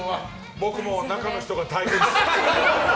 僕も中の人が大変です。